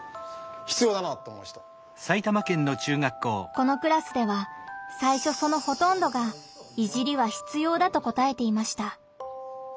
このクラスではさいしょそのほとんどが「いじり」は必要だと答えていました。